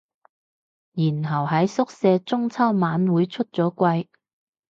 然後喺宿舍中秋晚會出咗櫃